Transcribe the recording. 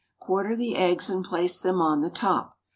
Quarter the eggs and place them on the top.